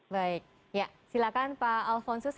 baik silakan pak alphonsus